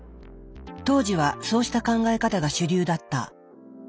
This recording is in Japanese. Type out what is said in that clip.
当時はそうした考え方が主流だった。